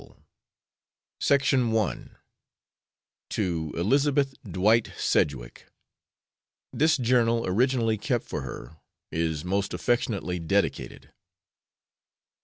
_1863 TO ELIZABETH DWIGHT SEDGWICK THIS JOURNAL, ORIGINALLY KEPT FOR HER, IS MOST AFFECTIONATELY DEDICATED.